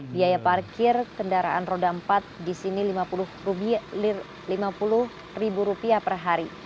biaya parkir kendaraan roda empat di sini rp lima puluh per hari